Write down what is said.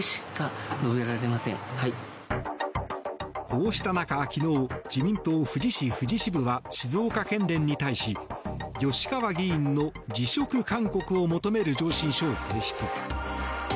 こうした中、昨日自民党富士市富士支部は静岡県連に対し吉川議員の辞職勧告を求める上申書を提出。